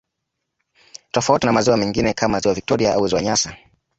Tofauti na maziwa mengine kama ziwa victoria au ziwa nyasa